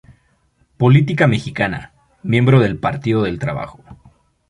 Política Mexicana, miembro del Partido del Trabajo.